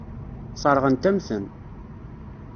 Sseṛɣent-am-ten.